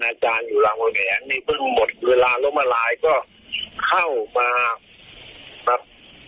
มันก็มาจูบชิงตาอย่างเนี่ยกับผมเนี่ยเวลาเจอกันเขาก็พูดดีเนี่ย